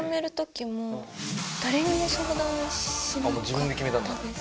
あっもう自分で決めたんだ。